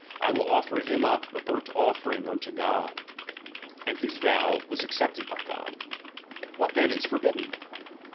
I will offer him up for a burnt offering unto the Lord ; and his vow was accepted of God. What then is for bidden